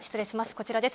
こちらです。